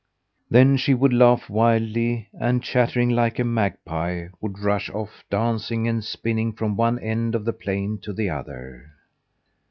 Then she would laugh wildly and, chattering like a magpie, would rush off, dancing and spinning from one end of the plain to the other.